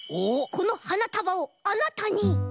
このはなたばをあなたに！